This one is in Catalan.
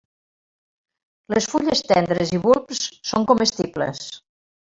Les fulles tendres i bulbs són comestibles.